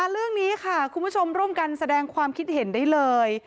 เรื่องนี้ค่ะคุณผู้ชมร่วมกันแสดงความคิดเห็นได้เลย